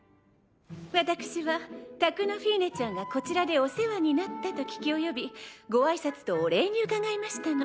私は宅のフィーネちゃんがこちらでお世話になったと聞き及びご挨拶とお礼に伺いましたの。